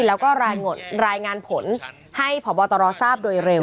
แล้วก็รายงานผลให้พบตรทราบโดยเร็ว